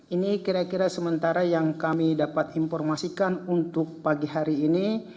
ini kira kira sementara yang kami dapat informasikan untuk pagi hari ini